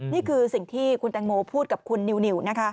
นี่คือสิ่งที่คุณแตงโมพูดกับคุณนิวนะคะ